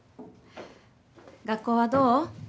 学校はどう？